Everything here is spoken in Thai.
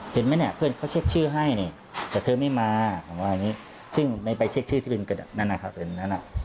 เห็นไหมเนี่ยเพื่อนเขาเช็คชื่อให้นี่แต่เธอไม่มาผมว่าอย่างนี้ซึ่งในไปเช็คชื่อที่เป็นนั่นนะครับเป็นนั้นอ่ะ